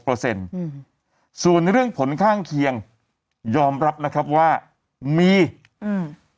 เปอร์เซ็นต์อืมศูนย์เรื่องผลข้างเคียงยอมรับนะครับว่ามีอืม